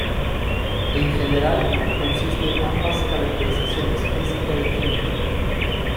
En general, consiste ambas caracterizaciones física y química.